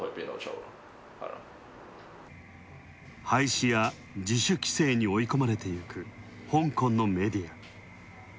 廃止や自主規制に追い込まれてゆく香港のメディア。